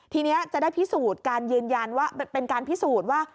ทีนี้จะได้พิสูจน์การยืนยันว่าเป็นการพิสูจน์ว่า